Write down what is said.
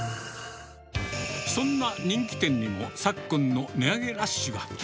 そんな人気店も、昨今の値上げラッシュが。